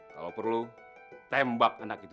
kalau perlu tembak religions "